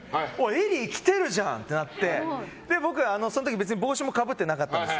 ＥＬＬＹ来てるじゃんってなって僕はその時帽子もかぶってなかったんです。